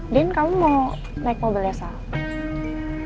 din kamu mau naik mobilnya sama